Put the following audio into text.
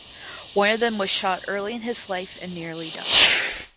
One of them was shot early in his life and nearly died.